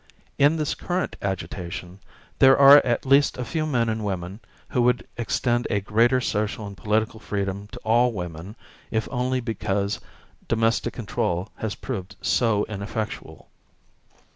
In this current agitation there are at least a few men and women who would extend a greater social and political freedom to all women if only because domestic control has proved so ineffectual.